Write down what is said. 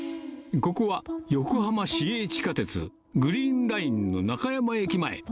ここは横浜市営地下鉄グリーンラインの中山駅前。